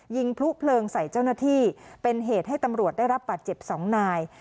พลุเพลิงใส่เจ้าหน้าที่เป็นเหตุให้ตำรวจได้รับบาดเจ็บสองนาย